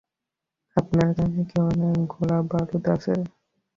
আপনার কাছে কি অনেক গোলাবারুদ আছে?